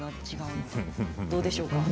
どうでしょうか。